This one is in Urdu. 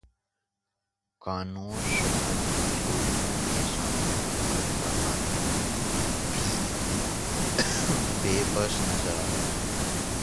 قانوں شکن لوگوں کے سامنے حکومت کا قانون بھی بے بس نظر آتا ہے